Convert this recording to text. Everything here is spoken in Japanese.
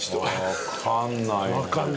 わかんない。